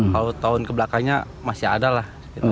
kalau tahun kebelakangnya masih ada lah